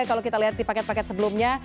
kalau kita lihat di paket paket sebelumnya